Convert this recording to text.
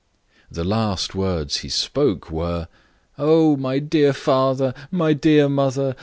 The last words he spoke were, _Oh! my dear father! my dear mother!